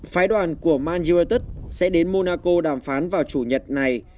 phái đoàn của man youerted sẽ đến monaco đàm phán vào chủ nhật này